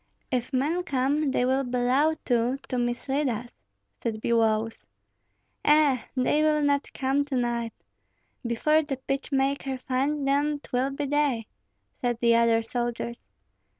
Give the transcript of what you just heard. "If men come, they will bellow too, to mislead us," said Biloüs. "Eh! they will not come to night. Before the pitch maker finds them 'twill be day," said the other soldiers.